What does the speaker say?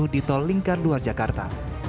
di tol lingkar dua jakarta